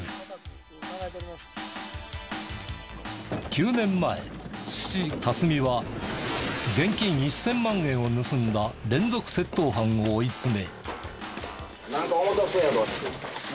９年前父辰己は現金１０００万円を盗んだ連続窃盗犯を追い詰め。